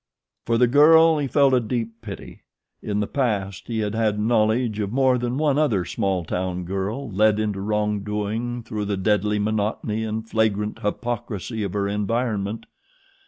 For the girl he felt a deep pity. In the past he had had knowledge of more than one other small town girl led into wrong doing through the deadly monotony and flagrant hypocrisy of her environment.